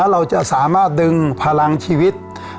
เราจะสามารถดึงพลังชีวิต